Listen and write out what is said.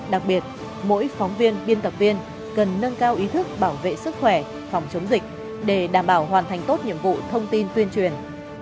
đặc biệt mỗi phóng viên biên tập viên cần nâng cao ý thức bảo vệ sức khỏe phòng chống dịch để đảm bảo hoàn thành tốt nhiệm vụ thông tin tuyên truyền